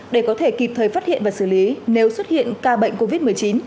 để có thể kịp thời phát hiện và xử lý nếu xuất hiện ca bệnh covid một mươi chín